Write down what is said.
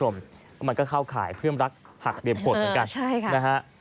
มันก็เข้าข่ายเพื่อนรักหักเดี่ยวโคตรเหมือนกัน